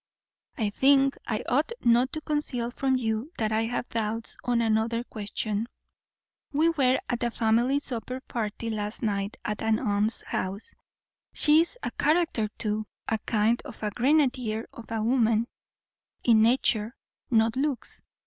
"I think I ought not to conceal from you that I have doubts on another question. We were at a family supper party last night at an aunt's house. She is a character too; a kind of a grenadier of a woman, in nature, not looks.